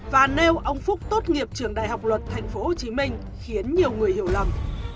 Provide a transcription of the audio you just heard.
và nêu ông phúc tốt nghiệp trường đại học luật tp hcm khiến nhiều người hiểu lầm